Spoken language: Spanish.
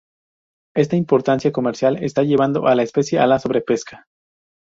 Esta importancia comercial está llevando a la especie a la sobrepesca.